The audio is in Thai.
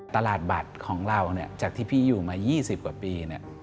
ตลาดบัตรของเราจากที่พี่อยู่มา๒๐กว่าปี